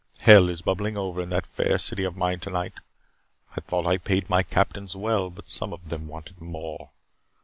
Hell is bubbling over in that fair city of mine tonight. I thought I paid my captains well, but some of them wanted more.